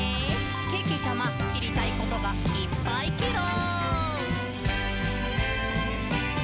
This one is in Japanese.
けけちゃま、しりたいことがいっぱいケロ！」